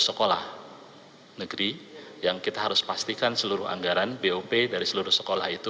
sekolah negeri yang kita harus pastikan seluruh anggaran bop dari seluruh sekolah itu